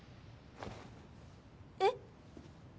えっ？